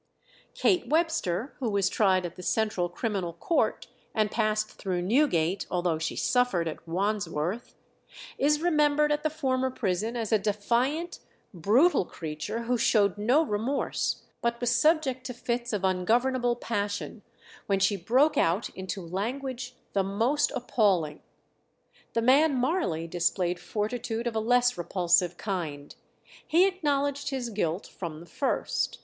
Kate Webster, who was tried at the Central Criminal Court, and passed through Newgate, although she suffered at Wandsworth, is remembered at the former prison as a defiant, brutal creature who showed no remorse, but was subject to fits of ungovernable passion, when she broke out into language the most appalling. The man Marley displayed fortitude of a less repulsive kind. He acknowledged his guilt from the first.